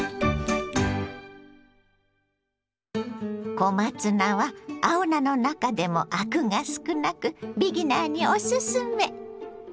小松菜は青菜の中でもアクが少なくビギナーにおすすめ。